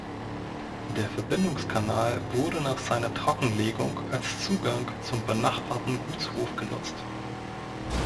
Der Verbindungskanal wurde nach seiner Trockenlegung als Zugang zum benachbarten Gutshof genutzt.